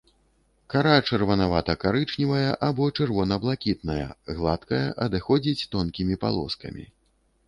Кара чырванавата-карычневая або чырвона-блакітная, гладкая, адыходзіць тонкімі палоскамі.